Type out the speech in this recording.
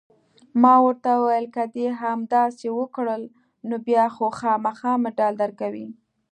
ما ورته وویل: که دې همداسې وکړل، نو بیا خو خامخا مډال درکوي.